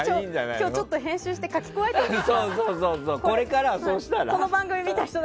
今日ちょっと編集して書き加えていいですか。